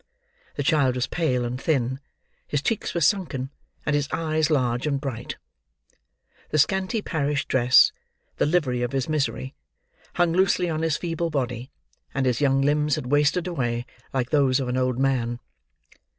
The child was pale and thin; his cheeks were sunken; and his eyes large and bright. The scanty parish dress, the livery of his misery, hung loosely on his feeble body; and his young limbs had wasted away, like those of an old man.